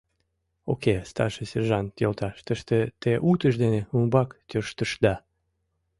— Уке, старший сержант йолташ, тыште те утыж дене умбак тӧрштышда...